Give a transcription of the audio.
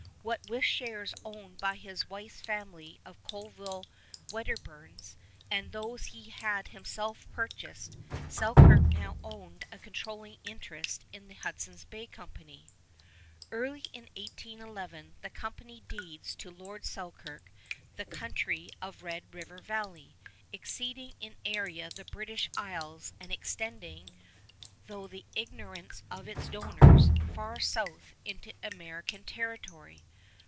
What with shares owned by his wife's family of Colville Wedderburns, and those he had himself purchased, Selkirk now owned a controlling interest in the Hudson's Bay Company. Early in 1811 the Company deeds to Lord Selkirk the country of Red River Valley, exceeding in area the British Isles and extending, through the ignorance of its donors, far south into American territory.